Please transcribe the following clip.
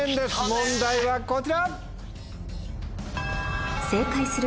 問題はこちら。